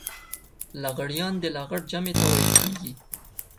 لغړيان د لغړ جمع ته ويل کېږي.